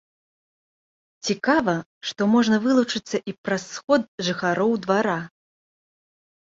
Цікава, што можна вылучыцца і праз сход жыхароў двара.